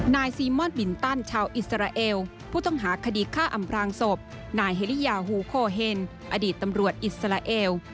นายซีม่อนบินตันชาวอิสราเอลผู้ต้องหาคดีฆ่าอำพลางศพนายเฮริยาฮูโคเฮนอดีตตำรวจอิสราเอล